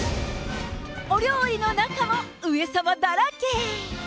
お料理の中も、上様だらけ。